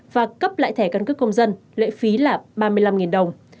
và cấp lại thẻ căn cước công dân lệ phí là ba mươi năm đồng